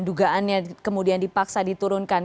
dugaannya kemudian dipaksa diturunkan